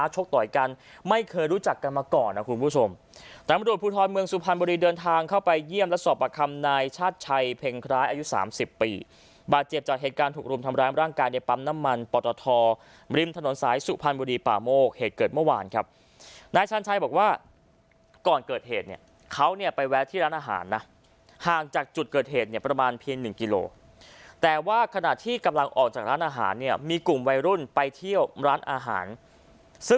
ชัยเพลงคล้ายอายุสามสิบปีบาดเจ็บจากเหตุการณ์ถูกรุมทำร้ายร่างกายในปั๊มน้ำมันปรตฐอร์ริมถนนสายสุพรรณบุรีป่าโมกเหตุเกิดเมื่อวานครับนายชันชัยบอกว่าก่อนเกิดเหตุเนี่ยเขาเนี่ยไปแวะที่ร้านอาหารนะห่างจากจุดเกิดเหตุเนี่ยประมาณเพียงหนึ่งกิโลแต่ว่าขณะที่กำลังออกจากร้านอาหารเ